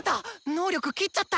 能力切っちゃった！